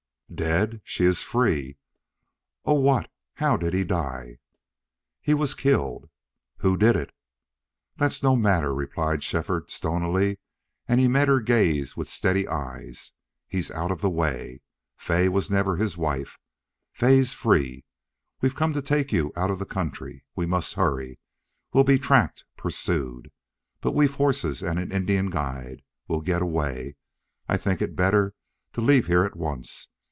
"Dead? She is free! Oh, what how did he die?" "He was killed." "Who did it?" "That's no matter," replied Shefford, stonily, and he met her gaze with steady eyes. "He's out of the way. Fay was never his wife. Fay's free. We've come to take you out of the country. We must hurry. We'll be tracked pursued. But we've horses and an Indian guide. We'll get away.... I think it better to leave here at once.